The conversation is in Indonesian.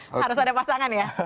harus ada pasangan ya